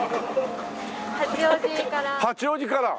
八王子から？